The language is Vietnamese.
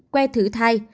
que thử thai